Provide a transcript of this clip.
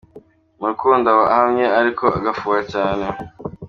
Mu rukundo aba ahamye ariko agafuha cyane.